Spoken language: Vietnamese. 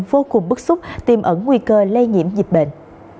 vô cùng bức xúc tìm ẩn nguy cơ lây nhiễm dịch bệnh